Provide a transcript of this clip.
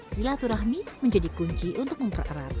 silaturahmi menjadi kunci untuk mempererat persatuan bangsa